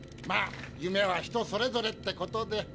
まあ夢は人それぞれってことで。